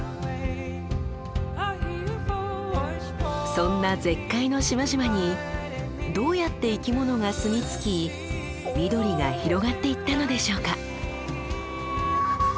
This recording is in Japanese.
そんな絶海の島々にどうやって生きものが住み着き緑が広がっていったのでしょうか？